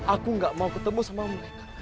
aku gak mau ketemu sama mereka